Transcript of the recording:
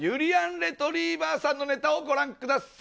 レトリィバァさんのネタをご覧ください。